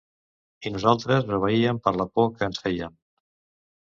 I nosaltres obeíem per la por que ens feien.